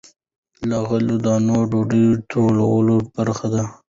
له غلې- دانو ډوډۍ ټولې برخې لري.